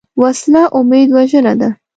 وسله امید وژنه ده